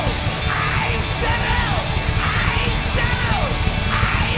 愛してる！